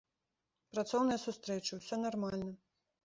Працоўныя сустрэчы, усё нармальна.